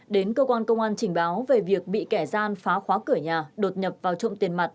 đến cơ quan công an trình báo về việc bị kẻ gian phá khóa cửa nhà đột nhập vào trộm tiền mặt